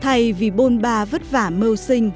thay vì bôn ba vất vả mơ sinh